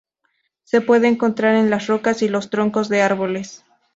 Se puede encontrar en las rocas y los troncos de árboles.